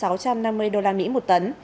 sáu trăm năm mươi usd một tấn